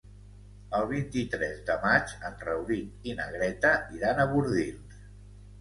El vint-i-tres de maig en Rauric i na Greta iran a Bordils.